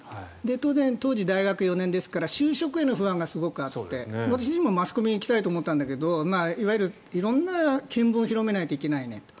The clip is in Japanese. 当然、当時、大学４年ですから就職への不安がすごくあって私自身もマスコミに行きたいと思ったけど色んな見聞を広めないといけないねと。